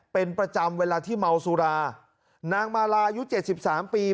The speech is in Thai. เป็นประจำเวลาที่เมาสุรานางมาลายุเจ็ดสิบสามปี